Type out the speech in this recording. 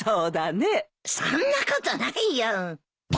そんなことないよ。